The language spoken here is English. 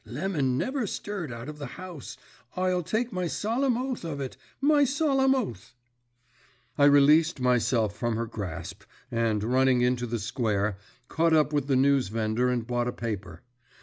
"Lemon never stirred out of the house. I'll take my solemn oath of it my solemn oath." I released myself from her grasp, and, running into the square, caught up with the newsvendor and bought a paper.